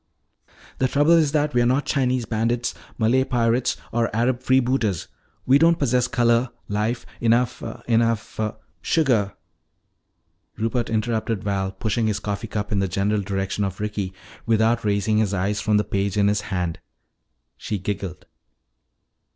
"The trouble is that we are not Chinese bandits, Malay pirates, or Arab freebooters. We don't possess color, life, enough enough " "Sugar," Rupert interrupted Val, pushing his coffee cup in the general direction of Ricky without raising his eyes from the page in his hand. She giggled.